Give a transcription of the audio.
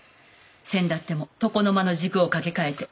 せんだっても床の間の軸を掛け替えて。